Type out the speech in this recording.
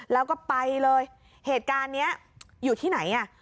แล้วก็ไปเลยเหตุการณ์นี้อยู่ที่ไหนอ่ะ